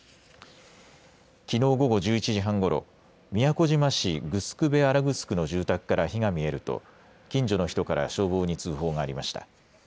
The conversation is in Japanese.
きのう午後１１時半ごろ、宮古島市城辺新城の住宅から火が見えると近所の人から消防に通報がありました。